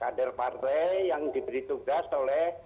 kader partai yang diberi tugas oleh